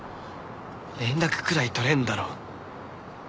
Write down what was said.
連絡くらい取れるだろ。